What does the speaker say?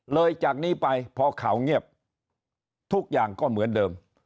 จากนี้ไปพอข่าวเงียบทุกอย่างก็เหมือนเดิม